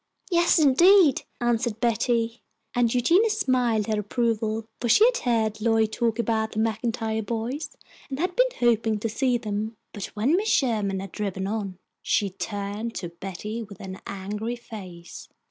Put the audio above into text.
"Yes, indeed!" answered Betty, and Eugenia smiled her approval, for she had heard Lloyd talk about the MacIntyre boys, and had been hoping to see them. But when Mrs. Sherman had driven on, she turned to Betty with an angry face.